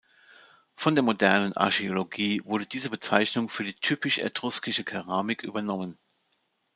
Von der modernen Archäologie wurde diese Bezeichnung für die typisch etruskische Keramik übernommen.